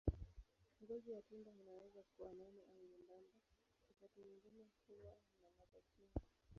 Ngozi ya tunda inaweza kuwa nene au nyembamba, wakati mwingine huwa na ladha chungu.